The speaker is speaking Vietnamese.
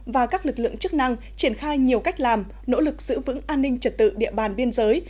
và các lực lượng chức năng triển khai nhiều cách làm nỗ lực giữ vững an ninh trật tự địa bàn biên giới